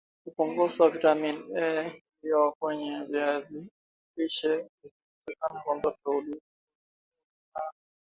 upungufu wa vitamini A iliyo kwenye viazi lishe ikikosekana kwa mtoto hudumaa